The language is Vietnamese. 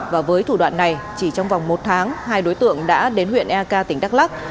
và với thủ đoạn này chỉ trong vòng một tháng hai đối tượng đã đến huyện ea ca tỉnh đắk lắk